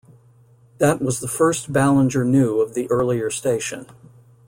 That was the first Ballinger knew of the earlier station.